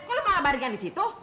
kok lo malah barengan di situ